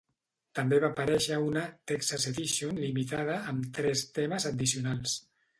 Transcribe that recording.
També va aparèixer una "Texas Edition" limitada amb tres temes addicionals.